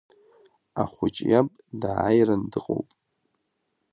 Ахәыҷ иаб дааиран дыҟоуп!